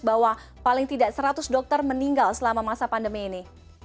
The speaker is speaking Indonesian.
bahwa paling tidak seratus dokter meninggal selama masa pandemi ini